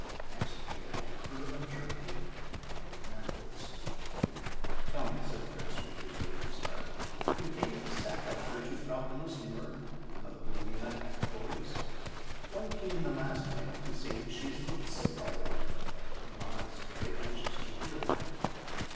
Next came the Emperor of Germany and Lena Hildesmuller. "Tell me," said Fritz, when he was ready to start, "contains the sack a letter to Frau Hildesmuller from the little Lena at the quarries? One came in the last mail to say that she is a little sick, already. Her mamma is very anxious to hear again."